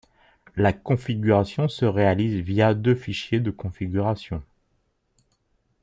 La configuration se réalise via deux fichiers de configuration.